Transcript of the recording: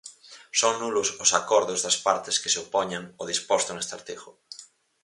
Son nulos os acordos das partes que se opoñan ó disposto neste artigo.